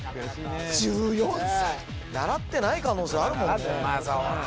１４歳習ってない可能性あるもんね